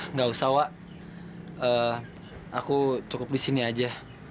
nggak usah wak aku cukup di sini aja